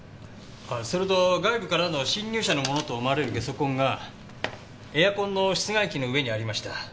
それと外部からの侵入者のものと思われるゲソ痕がエアコンの室外機の上にありました。